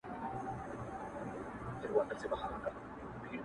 تامي د خوښۍ سترگي راوباسلې مړې دي كړې ـ